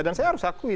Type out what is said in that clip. dan saya harus akui